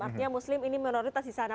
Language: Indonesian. artinya muslim ini minoritas di sana